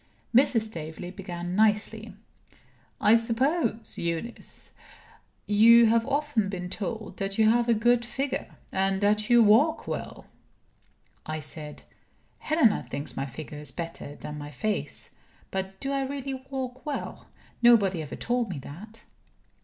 Mrs. Staveley began nicely; "I suppose, Eunice, you have often been told that you have a good figure, and that you walk well?" I said: "Helena thinks my figure is better than my face. But do I really walk well? Nobody ever told me that."